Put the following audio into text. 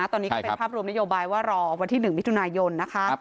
ตอนนี้ก็เป็นภาพรวมนโยบายว่ารอวันที่๑มิถุนายนนะคะ